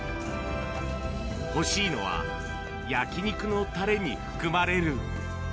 欲しいのは、焼き肉のたれに含まれる。